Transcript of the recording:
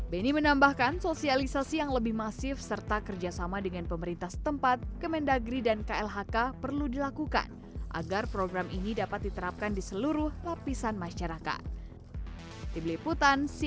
beni menambahkan sosialisasi yang lebih masif serta kerjasama dengan pemerintah setempat kemendagri dan klhk perlu dilakukan agar program ini dapat diterapkan di seluruh lapisan masyarakat